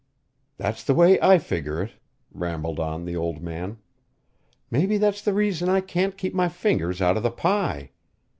"That's the way I figger it," rambled on the old man. "Mebbe that's the reason I can't keep my fingers out of the pie.